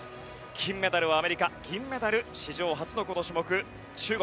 金メダルはアメリカ銀メダル史上初のこの種目、中国